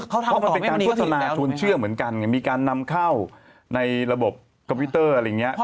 เพราะมันเป็นการโฆษณาชวนเชื่อเหมือนกันไงมีการนำเข้าในระบบคอมพิวเตอร์อะไรอย่างนี้